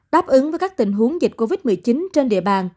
đáp ứng với các tình huống dịch covid một mươi chín trên địa bàn